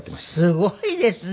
すごいですね。